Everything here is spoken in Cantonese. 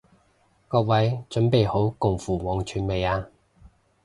各位準備好共赴黃泉未啊？